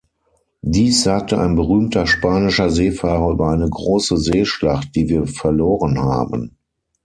Dies sagte ein berühmter spanischer Seefahrer über eine große Seeschlacht, die wir verloren haben.